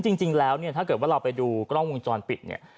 จริงแล้วเนี่ยถ้าเกิดว่าเราไปดูกล้องวงจรปิดเนี่ย